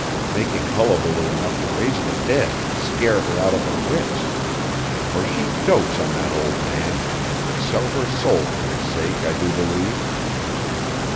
making hullabaloo enough to raise the dead and scare her out of her wits; for she dotes on that old man and would sell her soul for his sake, I do believe.